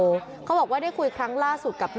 สวัสดีครับ